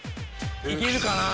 いけるかな？